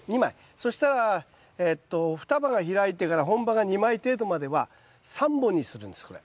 そしたらえっと双葉が開いてから本葉が２枚程度までは３本にするんですこれ。